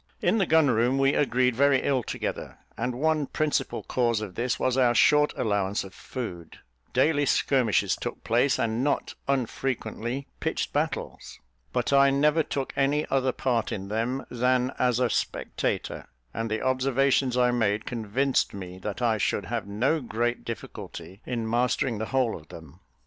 In the gun room we agreed very ill together, and one principal cause of this was our short allowance of food daily skirmishes took place, and not unfrequently pitched battles; but I never took any other part in them than as a spectator, and the observations I made convinced me that I should have no great difficulty in mastering the whole of them.